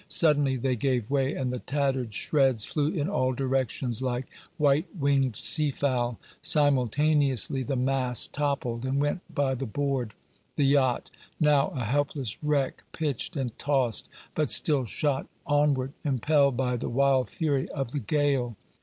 Suddenly they gave way, and the tattered shreds flew in all directions, like white winged sea fowl. Simultaneously the mast toppled and went by the board. The yacht, now a helpless wreck, pitched and tossed, but still shot onward, impelled by the wild fury of the gale.